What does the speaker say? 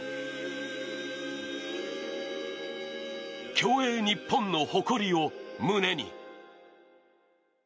競泳日本の誇りを胸に。